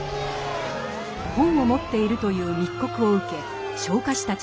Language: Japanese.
本を持っているという密告を受け昇火士たちが急行。